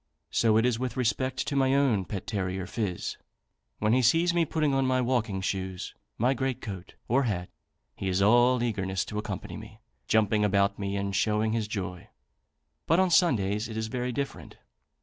So it is with respect to my own pet terrier, Phiz. When he sees me putting on my walking shoes, my great coat, or hat, he is all eagerness to accompany me, jumping about me and showing his joy. But on Sundays it is very different.